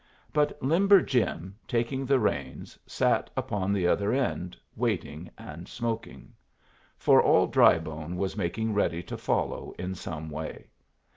But Limber Jim, taking the reins, sat upon the other end, waiting and smoking. For all Drybone was making ready to follow in some way.